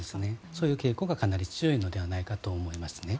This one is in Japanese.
そういう傾向がかなり強いのではないかと思います。